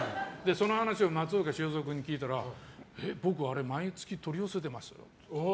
その話を松岡修造君に聞いたらえ、僕、あれ毎月取り寄せてますって。